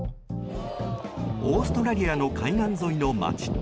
オーストラリアの海岸沿いの街。